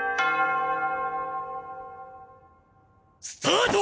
スタート！